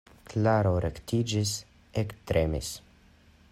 Klaro rektiĝis, ektremis.